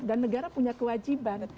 dan negara punya kewajiban